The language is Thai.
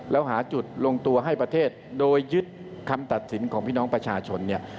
แล้วหาจุดลงตัวให้ประเทศโดยยึดคำตัดสินของพี่น้องประชาชนเนี่ย